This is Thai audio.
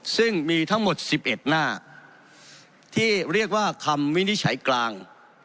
ซึ่งมีทั้งหมด๑๑หน้าที่เรียกว่าคำวินิจฉัยกลาง